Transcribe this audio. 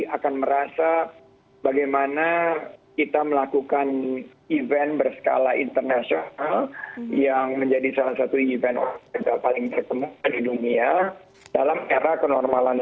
akan merasa bagaimana kita melakukan event berskala internasional yang menjadi salah satu event olahraga paling ketemu di dunia dalam era kenormalan